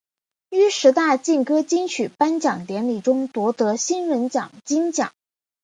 于十大劲歌金曲颁奖典礼中夺得新人奖金奖。